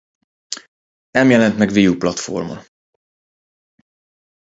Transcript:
Nem jelent meg Wii U platformon.